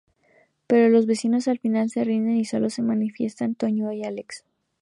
Pero los vecinos al final se rinden, y solo se manifiestan Toño y Álex.